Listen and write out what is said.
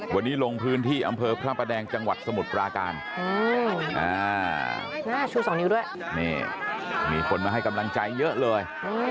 วันนี้ลงพื้นที่อำเภอพระประแดงจังหวัดสมุทรปราการชู๒นิ้วด้วยนี่มีคนมาให้กำลังใจเยอะเลย